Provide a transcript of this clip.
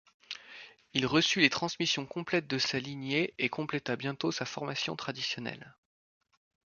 Il reçut les transmissions complètes de sa lignée et compléta bientôt sa formation traditionnelle.